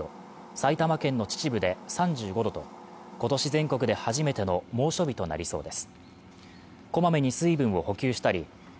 埼玉県の秩父で３５度と今年全国で初めての猛暑日となりそうです。